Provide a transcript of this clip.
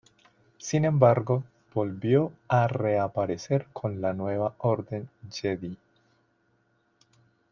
Sin embargo, volvió a reaparecer con la Nueva Orden Jedi.